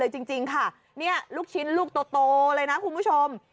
จริงค่ะนี่ลูกชิ้นลูกโตเลยนะคุณผู้ชม